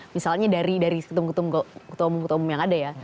misalnya dari ketua umum ketua umum yang ada ya